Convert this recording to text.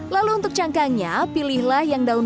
lalu untuk cangkangnya pilihlah yang daun